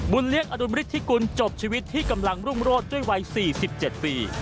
เลี้ยอดุลมฤทธิกุลจบชีวิตที่กำลังรุ่งโรศด้วยวัย๔๗ปี